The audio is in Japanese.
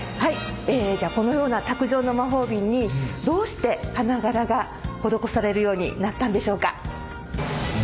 えじゃあこのような卓上の魔法瓶にどうして花柄が施されるようになったんでしょうか？